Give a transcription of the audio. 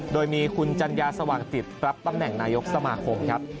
โดยมีคุณจัญญาสว่างจิตรับตำแหน่งนายกสมาคมครับ